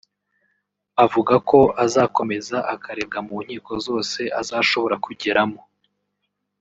avuga ko azakomeza akarega mu nkiko zose azashobora kugeramo